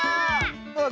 あ！